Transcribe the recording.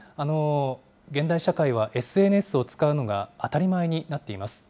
現代社会はＳＮＳを使うのが当たり前になっています。